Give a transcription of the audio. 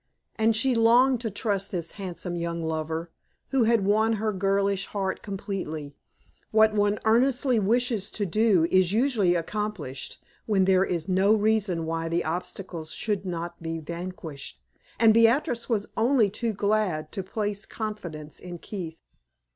And she longed to trust this handsome young lover, who had won her girlish heart completely. What one earnestly wishes to do is usually accomplished, when there is no reason why the obstacles should not be vanquished; and Beatrix was only too glad to place confidence in Keith.